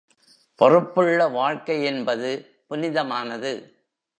பொறுப்புள்ள வாழ்க்கை என்பது புனித மானது.